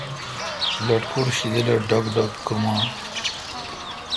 لٹکور شیدل اؘ ڈوگ دوگ کیمان۔